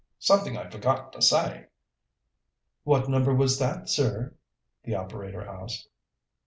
Something I forgot to say." "What number was that, sir?" the operator asked.